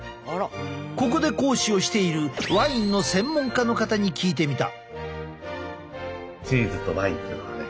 ここで講師をしているワインの専門家の方に聞いてみた。